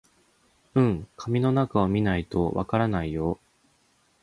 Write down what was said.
うん、紙の中を見ないとわからないよ